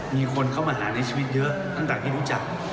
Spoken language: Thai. มีคนเข้ามาหาในชีวิตเยอะตั้งแต่ที่รู้จัก